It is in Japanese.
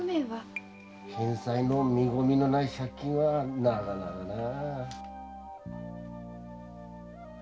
返済の見込みのない借金はなかなかなぁ。